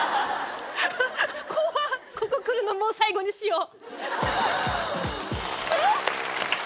怖っここ来るのもう最後にしよう。